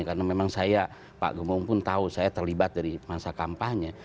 karena memang saya pak gembong pun tahu saya terlibat dari masa kampanye